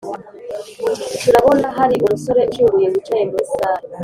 turabonahari umusore ushinguye wicaye muri salle